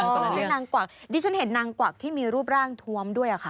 ไม่ใช่นางกวักดิฉันเห็นนางกวักที่มีรูปร่างทวมด้วยค่ะ